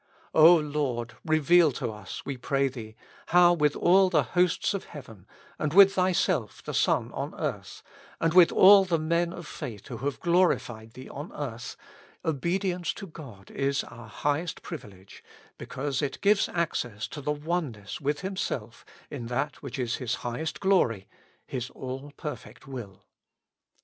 O Lord ! reveal to us, we pray Thee, how with all the hosts of heaven, and with Thyself the Son on earth, and with all the men of faith who have glori fied Thee on earth, obedience to God is our highest privilege, because it gives access to oneness with Him self in that which is His highest glory — His all perfect will.